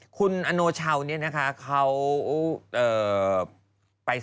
ก็เมื่อวันที่๓๐ตุลาคมเมื่อปีปศ๒๕๒๖